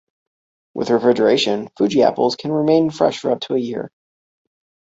With refrigeration, Fuji apples can remain fresh for up to a year.